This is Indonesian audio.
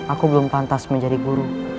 aku belum pantas menjadi guru